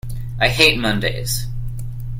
I hate Mondays!